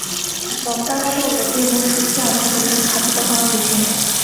বক্তার মতে উন্নতি এবং শুদ্ধি আশার উপর স্থাপিত হওয়া বিধেয়।